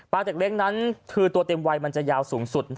เด็กเล็กนั้นคือตัวเต็มวัยมันจะยาวสูงสุด